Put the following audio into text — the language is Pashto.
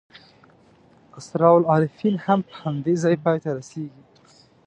اسرار العارفین هم په همدې ځای پای ته رسېږي.